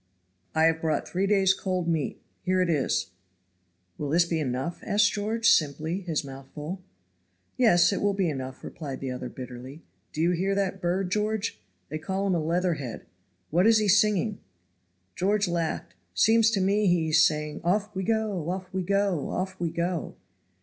I have brought three days' cold meat here it is." "Will this be enough?" asked George, simply, his mouth full. "Yes, it will be enough," replied the other, bitterly. "Do you hear that bird, George? They call him a leather head. What is he singing?" George laughed. "Seems to me he is saying, 'Off we go!' 'Off we go!' 'Off we go!'"